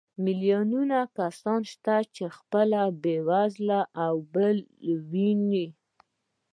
میلیونونه کسان شته چې خپله بېوزلي په بل ډول ویني